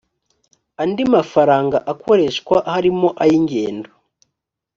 andi mafaranga akoreshwa harimo ay ingendo